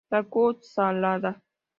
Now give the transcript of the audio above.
Taku Harada